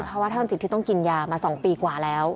เพราะว่าทางจิตที่ต้องกินยามาสองปีกว่าแล้ว